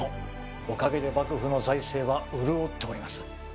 おかげで幕府の財政は潤っております。